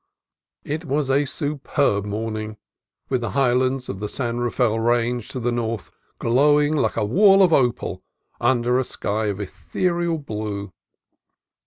It was a superb morn ing, with the highlands of the San Rafael Range to the north glowing like a wall of opal under a sky of ethereal blue.